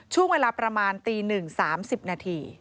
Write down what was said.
ช่วงเวลาประมาณตี๑๓๐นาที